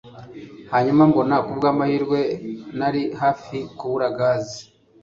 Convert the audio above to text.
hanyuma mbona, kubwamahirwe, nari hafi kubura gaze